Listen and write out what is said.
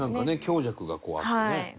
強弱がこうあってね。